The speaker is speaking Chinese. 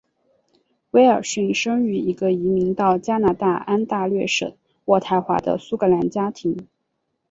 威尔逊生于一个移民到加拿大安大略省渥太华的苏格兰家庭。